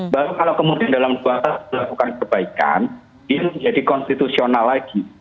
bahwa kalau kemudian dalam dua tahun dilakukan perbaikan dia menjadi konstitusional lagi